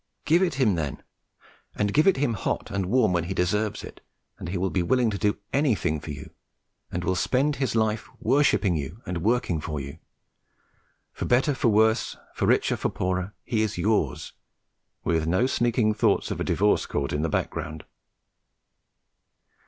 Give it him, then, and give it him hot and warm when he deserves it, and he will be willing to do anything for you and will spend his life worshipping you and working for you; for better, for worse, for richer, for poorer, he is yours, with no sneaking thoughts of a divorce court in the background.